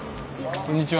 こんにちは。